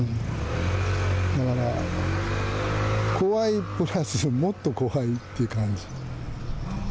だから怖いプラス、もっと怖いという感じ。